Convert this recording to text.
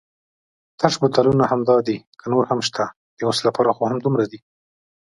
تش بوتلونه همدای دي که نور هم شته؟ د اوس لپاره خو همدومره دي.